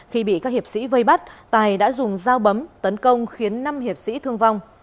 khi bị các hiệp sĩ vây bắt tài đã dùng dao bấm tấn công khiến năm hiệp sĩ thương vong